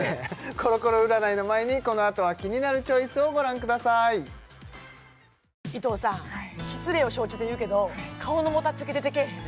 コロコロ占いの前にこのあとは「キニナルチョイス」をご覧ください伊藤さん失礼を承知で言うけどはい顔のもたつき出てけえへん？